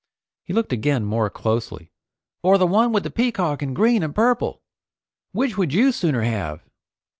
He looked again more closely. "Or the one with the peacock in green and purple. Which would you sooner have?"